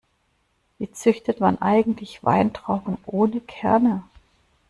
Wie züchtet man eigentlich Weintrauben ohne Kerne?